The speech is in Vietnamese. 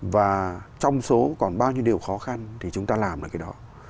và trong số còn bao nhiêu điều khó khăn thì chúng ta làm được cái đó